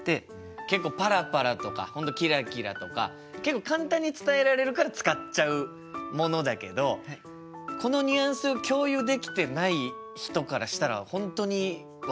結構パラパラとかキラキラとか結構簡単に伝えられるから使っちゃうものだけどこのニュアンスを共有できてない人からしたら本当に分からないことだもんね。